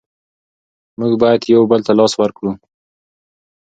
موږ بايد يو بل ته لاس ورکړو.